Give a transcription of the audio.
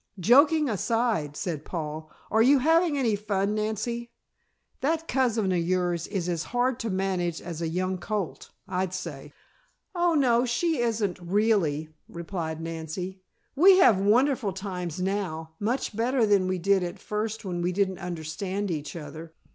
"Joking aside," said Paul, "are you having any fun, Nancy? That cousin of yours is as hard to manage as a young colt, I'd say." "Oh, no, she isn't, really," replied Nancy. "We have wonderful times now, much better than we did at first when we didn't understand each other."